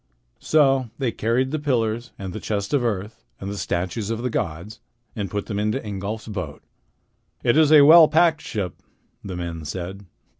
So they carried the pillars and the chest of earth and the statues of the gods, and put them into Ingolf's boat. "It is a well packed ship," the men said.